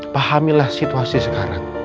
pahamilah situasi sekarang